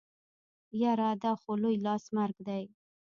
يره دا خو لوی لاس مرګ دی.